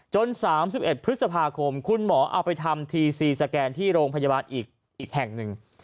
๓๑พฤษภาคมคุณหมอเอาไปทำทีซีสแกนที่โรงพยาบาลอีกแห่งหนึ่ง